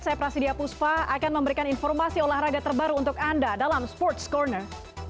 saya prasidya puspa akan memberikan informasi olahraga terbaru untuk anda dalam sports corner